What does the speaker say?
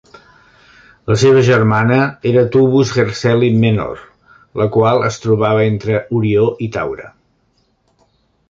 La seva germana era Tubus Hershelli Menor, la qual es trobava entre Orió i Taure.